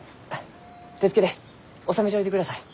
手付けで納めちょいてください。